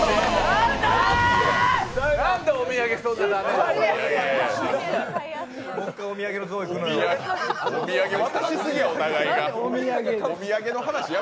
なんでお土産そんなに駄目なんや。